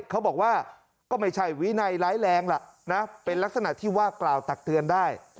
เขาบอกว่าก็ไม่ใช่วินัยร้ายแรงล่ะนะเป็นลักษณะที่ว่ากล่าวตักเตือนได้